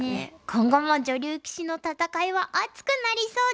今後も女流棋士の戦いは熱くなりそうです。